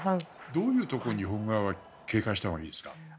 どういうところに警戒したほうがいいですか？